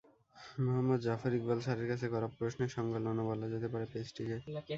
মুহম্মদ জাফর ইকবাল স্যারের কাছে করা প্রশ্নের সংকলনও বলা যেতে পারে পেজটিকে।